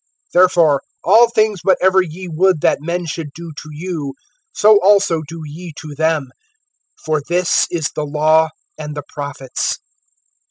(12)Therefore all things whatever ye would that men should do to you, so also do ye to them; for this is the law and the prophets.